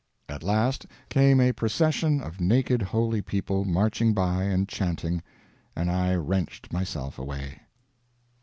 At last came a procession of naked holy people marching by and chanting, and I wrenched myself away.